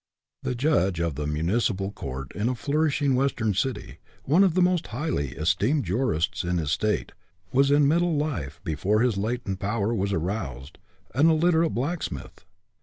The judge of the municipal court in a flour ishing western city, one of the most highly esteemed jurists in his state, was in middle life, before his latent power was aroused, an il literate blacksmith.